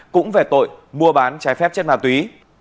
cũng về tội mua bán trái phép chất mà tùy